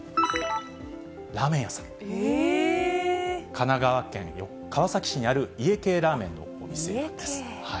神奈川県川崎市にある家系ラーメンのお店なんです。